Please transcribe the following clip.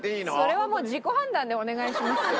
それはもう自己判断でお願いしますよ。